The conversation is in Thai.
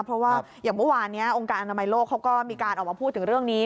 เพราะว่าอย่างเมื่อวานนี้องค์การอนามัยโลกเขาก็มีการออกมาพูดถึงเรื่องนี้